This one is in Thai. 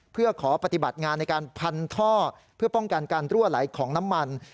เพื่อขอปฏิบัติงานในการพันท่อเพื่อป้องกันการรั่วไหลของน้ำมัน